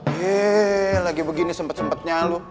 yee lagi begini sempet sempetnya lo